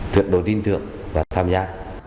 tuyệt đối tin tượng và tham gia